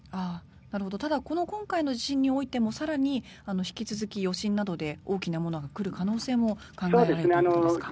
ただ、今回の地震においても更に引き続き余震などで大きなものが来る可能性も考えられるということですか？